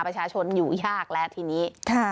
ประชาชนอยู่ยากแล้วทีนี้